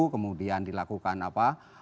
kemudian dilakukan apa